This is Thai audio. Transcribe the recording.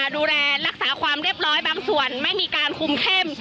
ดูแลรักษาความเรียบร้อยบางส่วนไม่มีการคุมเข้ม